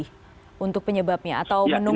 ya ini dari lapor